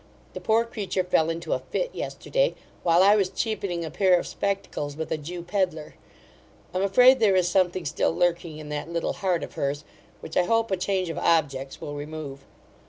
The poor creature fell into a fit yesterday, while I was cheapening a pair of spectacles, with a Jew pedlar. I am afraid there is something still lurking in that little heart of hers, which I hope a change of objects will remove.